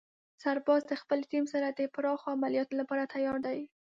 سرباز د خپلې ټیم سره د پراخو عملیاتو لپاره تیار دی.